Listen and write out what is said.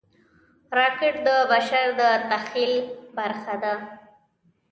راکټ د بشر د تخیل برخه وه